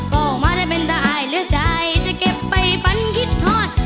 ก็มาได้เป็นตาอายเลือดใจจะเก็บไปฝันคิดทอด